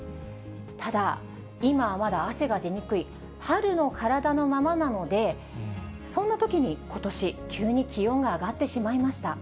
ただ、今はまだ汗が出にくい春の体のままなので、そんな時にことし、急に気温が上がってしまいました。